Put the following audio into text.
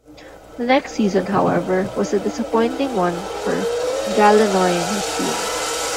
The next season however was a disappointing one for Ghalenoi and his team.